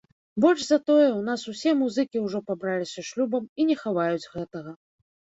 Больш за тое, у нас усе музыкі ўжо пабраліся шлюбам і не хаваюць гэтага.